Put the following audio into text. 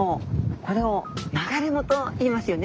これを流れ藻といいますよね